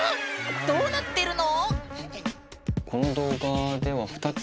どうなってるの⁉